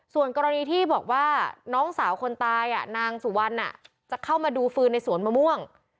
ส่วนกรณีที่บอกว่านางสุวรรณจะเข้ามาดูฟืนในสวนมะม่วง